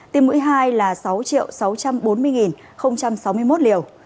tiêm mũi hai là sáu sáu trăm bốn mươi sáu mươi một liều